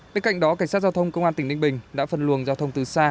bên cạnh đó cảnh sát giao thông công an tỉnh ninh bình đã phân luồng giao thông từ xa